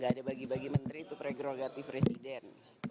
gak ada bagi bagi menteri itu pregrogatif presiden